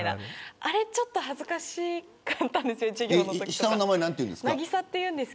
あれ、ちょっと恥ずかしかったんです。